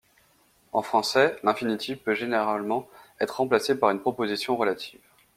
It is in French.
En français, l'infinitive peut généralement être remplacée par une proposition relative.